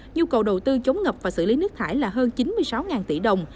nhu cầu đầu tư chống ngập và xử lý nước thải là hơn chín mươi sáu tỷ đồng